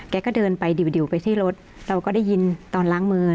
ก็เดินไปดิวไปที่รถเราก็ได้ยินตอนล้างมือ